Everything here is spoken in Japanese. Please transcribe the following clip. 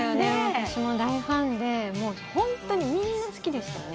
私も大ファンで本当にみんな好きでしたよね。